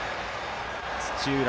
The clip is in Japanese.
土浦